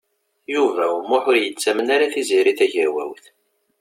Yuba U Muḥ ur yettamen ara Tiziri Tagawawt.